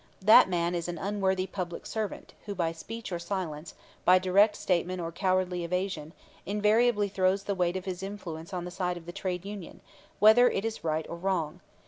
That man is an unworthy public servant who by speech or silence, by direct statement or cowardly evasion, invariably throws the weight of his influence on the side of the trade union, whether it is right or wrong.